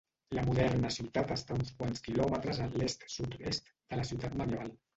La moderna ciutat està uns quants quilòmetres a l'est-sud-est de la ciutat medieval.